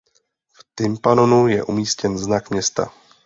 V tympanonu je umístěn znak města.